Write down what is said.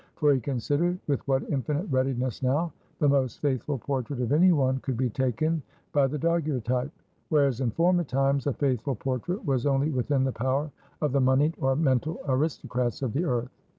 For he considered with what infinite readiness now, the most faithful portrait of any one could be taken by the Daguerreotype, whereas in former times a faithful portrait was only within the power of the moneyed, or mental aristocrats of the earth.